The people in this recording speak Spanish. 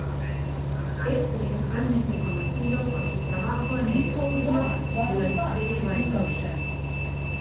Es principalmente conocido por su trabajo en el estudio de las estrellas variables.